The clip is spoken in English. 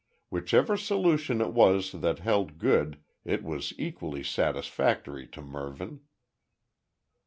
Whichever solution it was that held good it was equally satisfactory to Mervyn.